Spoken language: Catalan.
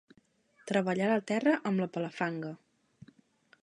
Treballar la terra amb la palafanga”.